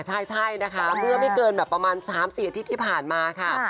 ใช่นะคะเมื่อไม่เกินแบบประมาณ๓๔อาทิตย์ที่ผ่านมาค่ะ